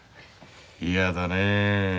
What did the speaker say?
嫌だねえ。